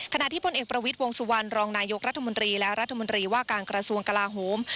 ใครอยากมาก็มาเดี๋ยวสาวเรา